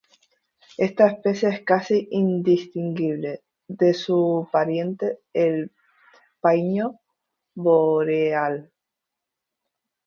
Esta especie es casi indistinguible de su pariente el paíño boreal.